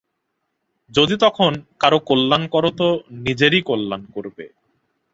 যদি তখন কারও কল্যাণ কর তো নিজেরই কল্যাণ করবে।